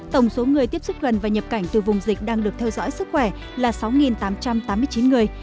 tổng số người tiếp xúc gần và nhập cảnh từ vùng dịch đang được theo dõi sức khỏe là sáu tám trăm tám mươi chín người